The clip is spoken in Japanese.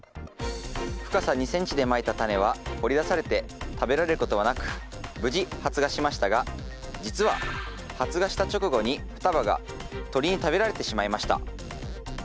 深さ２ｃｍでまいたタネは掘り出されて食べられることはなく無事発芽しましたが実は発芽した直後に双葉が鳥に食べられてしまいました。